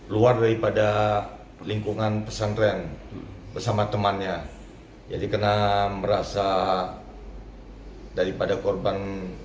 luar daripada lingkungan pesantren bersama temannya jadi karena merasa daripada korban